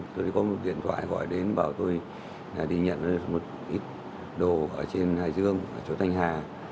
tôi có một điện thoại gọi đến bảo tôi đi nhận một ít đồ ở trên hải dương ở chỗ thanh hà